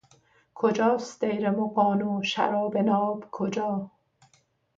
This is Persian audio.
کجاست دیر مغان و شراب ناب کجا